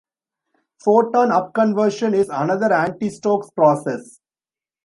Photon upconversion is another anti-Stokes process.